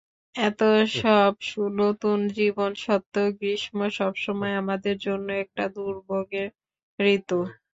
এত সব নতুন জীবন সত্বেও, গ্রীষ্ম সবসময় আমাদের জন্য একটা দুর্ভোগের ঋতু।